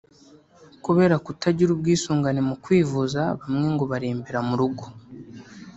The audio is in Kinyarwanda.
Kubera kutagira ubwisungane mu kwivuza bamwe ngo barembera mu rugo